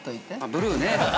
◆ブルーね。